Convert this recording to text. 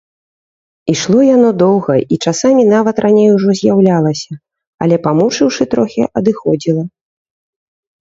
Ішло яно доўга і часамі нават раней ужо з'яўлялася, але, памучыўшы трохі, адыходзіла.